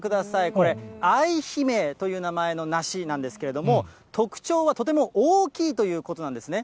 これ、愛姫という名前の梨なんですけれども、特徴はとても大きいということなんですね。